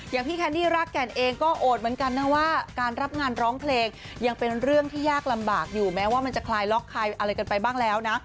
อย่างพี่แคนดี้รักแก่นเองก็โอดเหมือนกันนะว่าการรับงานร้องเพลงยังเป็นเรื่องที่ยากลำบากอยู่แม้ว่ามันจะคลายล็อกคลายอะไรกันไปบ้างแล้วนะ